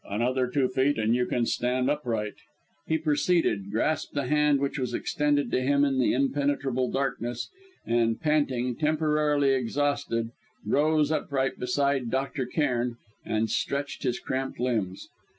"Another two feet, and you can stand upright." He proceeded, grasped the hand which was extended to him in the impenetrable darkness, and panting, temporarily exhausted, rose upright beside Dr. Cairn, and stretched his cramped limbs.